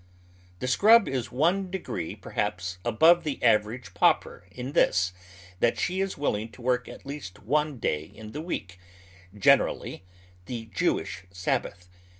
The scrub is one degree per haps above the average pauper in this, that she is willing to work at least one day in the week, generally the Jew ish Sabbath.